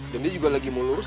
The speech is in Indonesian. dan dia lagi mau lurus